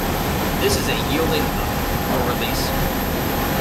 This is a yielding up, or release.